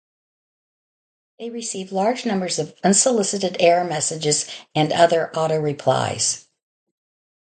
They receive large numbers of unsolicited error messages and other auto-replies.